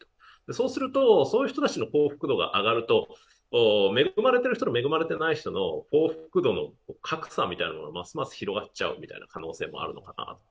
そうすると、そういう人たちの幸福度が上がると、恵まれている人と恵まれていない人との幸福度の格差みたいなものがますます広がってしまう可能性もあるのかなと。